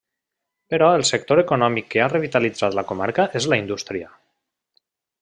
Però el sector econòmic que ha revitalitzat la comarca és la indústria.